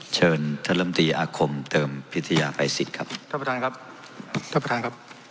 เชิญท่านลำตีอาคมเติมพิทยาไกรสิทธิ์ครับท่านประธานครับท่านประธานครับ